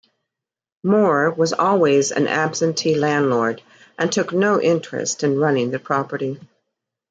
Moore was always an absentee landlord and took no interest in running the property.